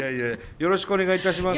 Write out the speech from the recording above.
よろしくお願いします。